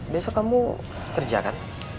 besok kamu kerja kan